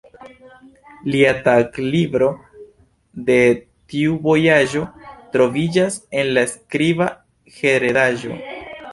Lia taglibro de tiu vojaĝo troviĝas en la skriba heredaĵo.